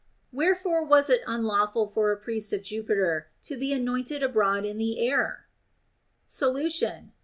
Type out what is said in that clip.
Wherefore was it unlawful for a priest of Jupiter to be anointed abroad in the air 1 Solution.